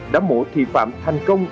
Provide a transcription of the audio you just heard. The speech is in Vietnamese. đã mổ thi phạm thành công